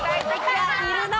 いるな。